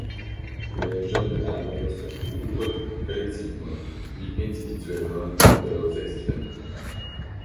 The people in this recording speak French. Les jeunes larves se couvrent, collectivement, puis individuellement de leurs excréments.